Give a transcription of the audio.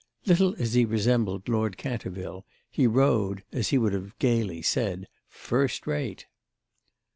Little as he resembled Lord Canterville he rode, as he would have gaily said, first rate.